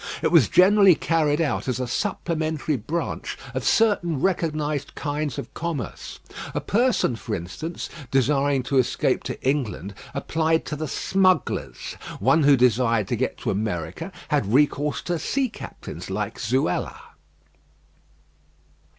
It was generally carried on as a supplementary branch of certain recognised kinds of commerce. A person, for instance, desiring to escape to England, applied to the smugglers; one who desired to get to America, had recourse to sea captains like Zuela.